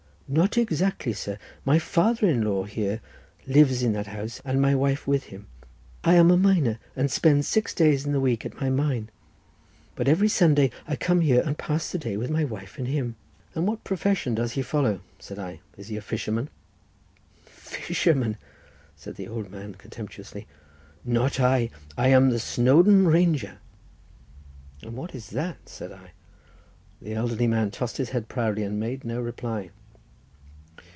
"Not exactly, sir; my father in law here lives in that house, and my wife with him. I am a miner, and spend six days in the week at my mine, but every Sunday I come here, and pass the day with my wife and him." "And what profession does he follow?" said I; "is he a fisherman?" "Fisherman!" said the elderly man contemptuously, "not I. I am the Snowdon Ranger." "And what is that?" said I. The elderly man tossed his head proudly, and made no reply.